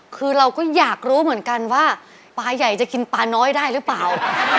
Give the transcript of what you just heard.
คือเราก็อยากรู้เหมือนกันว่าปลาใหญ่จะกินปลาน้อยได้หรือเปล่า